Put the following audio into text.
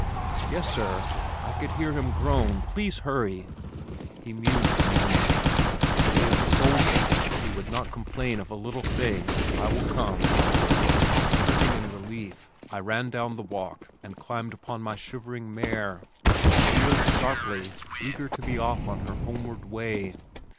"Yes, sir. I could hear him groan. Please hurry." He mused a moment. "He is a soldier. He would not complain of a little thing I will come." Turning in relief, I ran down the walk and climbed upon my shivering mare. She wheeled sharply, eager to be off on her homeward way.